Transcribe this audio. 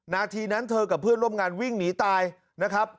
นาทีนั้นเธอกับเพื่อนร่วมงานวิ่งหนีตายนะครับ